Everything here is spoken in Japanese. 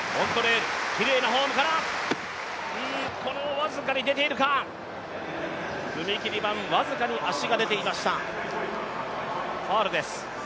僅かに出ているか、踏切板、僅かに足が出ていました、ファウルです。